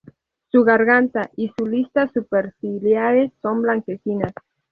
Su garganta y su listas superciliares son blanquecinas.